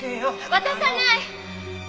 渡さない！